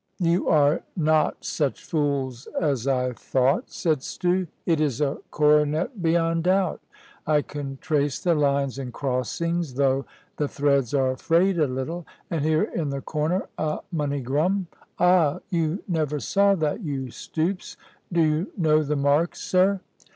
"You are not such fools as I thought," said Stew; "it is a coronet beyond doubt. I can trace the lines and crossings, though the threads are frayed a little. And here in the corner, a moneygrum ah! you never saw that, you stupes do you know the mark, sir?"